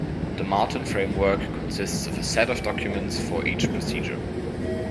The Martin framework consists of a set of documents for each procedure.